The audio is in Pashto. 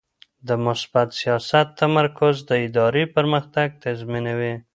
د مثبت سیاست تمرکز د ادارې پرمختګ تضمینوي.